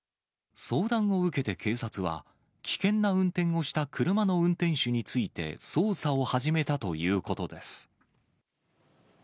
相談を受けて警察は、危険な運転をした車の運転手について、捜査を始めたということです。